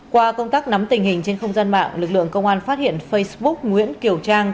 qua công tác nắm tình hình trên không gian mạng lực lượng công an phát hiện facebook nguyễn kiều trang